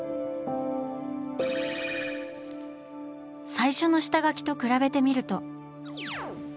最初の下描きと比べてみると。